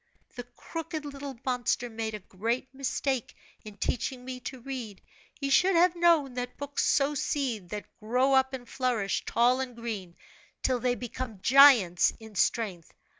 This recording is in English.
The crooked little monster made a great mistake in teaching me to read, he should have known that books sow seed that grow up and flourish tall and green, till they become giants in strength.